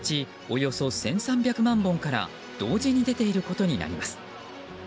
およそ１３００万本から同時に出ていることになります。